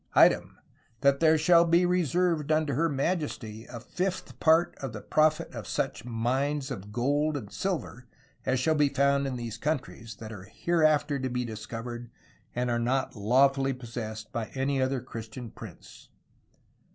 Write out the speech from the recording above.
Item that there shall be reserved vnto her Ma*^® a V*^ parte of the proff yt of sooche mynes of goold and sylver as shall be found in these contreys y* are hereafter to be discovered and are not lawfully possessed by any other Christy an Prince.